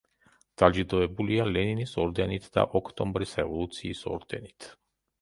დაჯილდოებულია ლენინის ორდენით და ოქტომბრის რევოლუციის ორდენით.